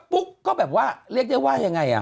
คุณหนุ่มกัญชัยได้เล่าใหญ่ใจความไปสักส่วนใหญ่แล้ว